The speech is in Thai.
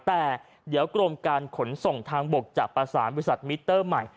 แต่เดี๋ยวกรมการขนส่งทางบกจะประสานบริษัทมิเตอร์ใหม่